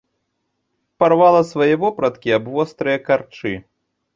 Парвала свае вопраткі аб вострыя карчы.